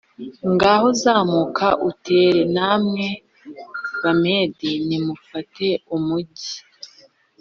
ngaho zamuka utere; namwe, Bamedi, nimufate umugi!